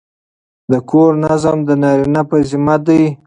د کور نظم د نارینه په ذمه دی.